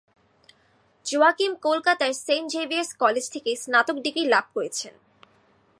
Joaquin কলকাতার Saint Xavier's college থেকে স্নাতক ডিগ্রি লাভ করেছেন।